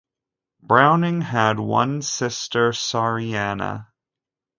Browning had one sister, Sarianna.